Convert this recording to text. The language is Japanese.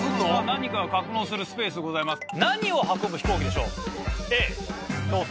何かを格納するスペースでございます。